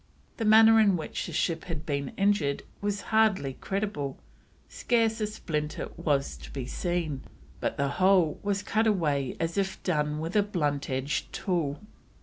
The manner in which the ship had been injured was "hardy credible, scarce a splinter was to be seen, but the whole was cut away as if done with a blunt edged tool."